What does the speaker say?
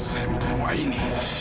saya mau ketemu aini